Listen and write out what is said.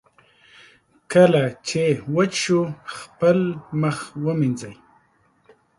کله چې وچ شو، خپل مخ ومینځئ.